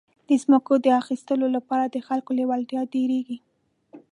د ځمکو د اخیستو لپاره د خلکو لېوالتیا ډېرېږي.